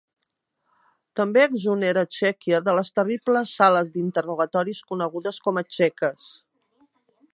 També exonera Txèquia de les terribles sales d'interrogatoris conegudes com txeques.